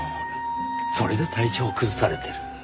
それで体調を崩されている。